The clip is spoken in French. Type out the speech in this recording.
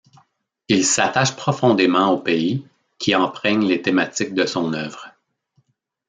Il s'attache profondément au pays, qui imprègne les thématiques de son œuvre.